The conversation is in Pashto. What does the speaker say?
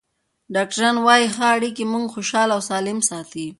ډاکټران وايي ښه اړیکې موږ خوشحاله او سالم ساتي.